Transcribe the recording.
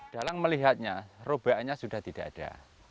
dalang melihatnya robanya sudah tidak ada